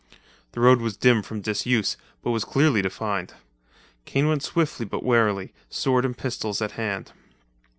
The road was dim from disuse but was clearly defined. Kane went swiftly but warily, sword and pistols at hand.